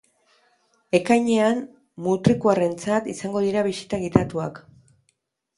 Ekainean, mutrikuarrentzat izango dira bisita gidatuak.